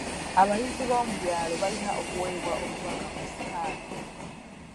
Abayizi b'omu byalo balina okuweebwa obubaka ku sikaala.